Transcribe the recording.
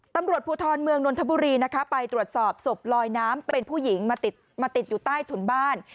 ตำรวจภูทรเมืองนนทบุรีนะคะไปตรวจสอบศพลอยน้ำเป็นผู้หญิงมาติดอยู่ใต้ถุนบ้าน